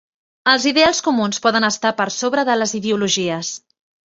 Els ideals comuns poden estar per sobre de les ideologies.